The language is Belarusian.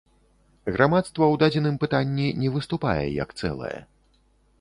Грамадства ў дадзеным пытанні не выступае як цэлае.